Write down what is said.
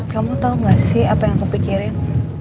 kamu tahu gak sih apa yang kupikirin